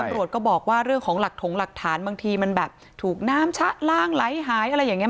ตำรวจก็บอกว่าเรื่องของหลักถงหลักฐานบางทีมันแบบถูกน้ำชะล่างไหลหายอะไรอย่างนี้